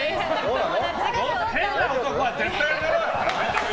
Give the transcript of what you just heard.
変な男は絶対にやめろよ！